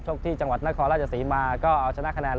ที่จังหวัดนครราชศรีมาก็เอาชนะคะแนน